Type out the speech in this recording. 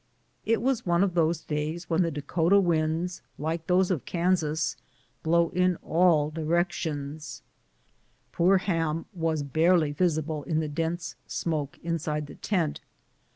It was one of those days when the Dakota winds, like those of Kansas, blow in all directions ; poor Ham was barely visible in the dense smoke inside the tent.